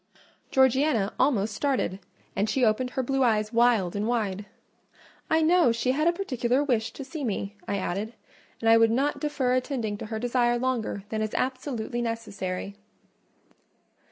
Georgiana almost started, and she opened her blue eyes wild and wide. "I know she had a particular wish to see me," I added, "and I would not defer attending to her desire longer than is absolutely necessary."